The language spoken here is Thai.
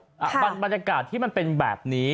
บรรยากาศที่มันเป็นแบบนี้